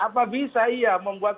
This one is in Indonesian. apa bisa ia membuat